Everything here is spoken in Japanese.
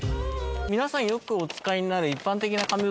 皆さんよくお使いになる一般的な紙袋